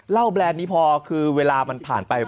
แบรนด์นี้พอคือเวลามันผ่านไป